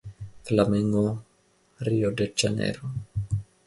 Flamengo Rio de Janeiro